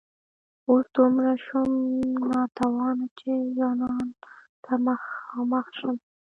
اوس دومره شوم ناتوانه چي جانان ته مخامخ شم